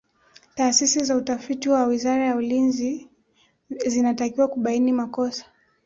taasisi za utafiti wa wizara ya ulinzi zinatakiwa kubaini makosa